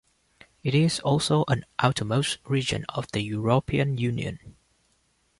It is also an outermost region of the European Union.